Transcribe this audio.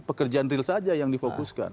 pekerjaan real saja yang difokuskan